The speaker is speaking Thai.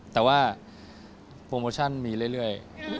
แต่ว่าโปรโมชั่นมีเรื่อย